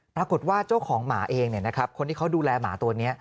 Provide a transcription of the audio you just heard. ปรากฏว่าเจ้าของหมาเองคนที่เขาดูแลหมาตัวนี้